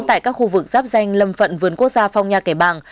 tại các khu vực giáp danh lâm phận vườn quốc gia phong nha kẻ bàng